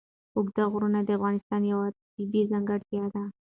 اوږده غرونه د افغانستان یوه طبیعي ځانګړتیا ده.